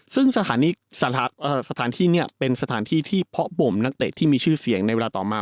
ซึ่งสถานที่เนี่ยเป็นสถานที่ที่เพาะบ่มนักเตะที่มีชื่อเสียงในเวลาต่อมา